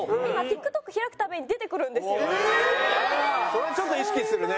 それちょっと意識するね。